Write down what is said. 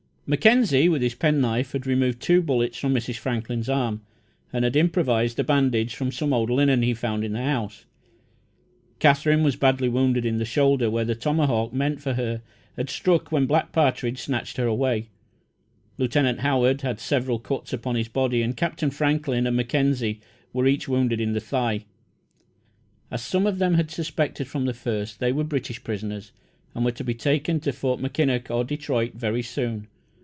Mackenzie, with his penknife, had removed two bullets from Mrs. Franklin's arm, and had improvised a bandage from some old linen he found in the house. Katherine was badly wounded in the shoulder, where the tomahawk meant for her had struck when Black Partridge snatched her away. Lieutenant Howard had several cuts upon his body and Captain Franklin and Mackenzie were each wounded in the thigh. As some of them had suspected from the first, they were British prisoners, and were to be taken to Fort Mackinac or Detroit very soon.